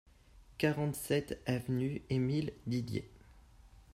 quarante-sept avenue Émile Didier